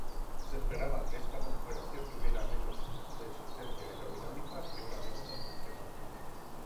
Se esperaba que esta configuración tuviera menos resistencia aerodinámica que un avión convencional.